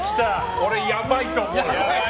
俺やばいと思うよ。